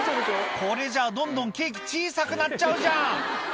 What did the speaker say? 「これじゃあどんどんケーキ小さくなっちゃうじゃん」